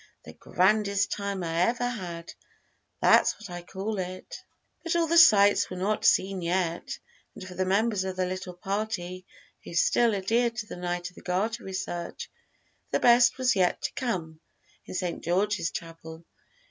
The grandest time I ever had, that's what I call it." But all the sights were not seen yet, and for the members of the little party who still adhered to the Knight of the Garter research the best was yet to come, in St. George's Chapel.